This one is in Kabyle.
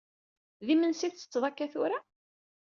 D imensi i tettetteḍ akka tura?